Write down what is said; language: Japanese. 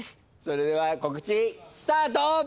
それでは告知スタート！